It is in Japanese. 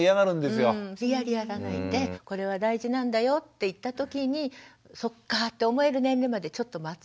無理やりやらないでこれは大事なんだよっていった時にそっかって思える年齢までちょっと待つ。